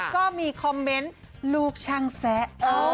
ก็มีคอมเมนต์ลูกช่างแซะ